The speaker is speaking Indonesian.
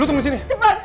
lu tunggu sini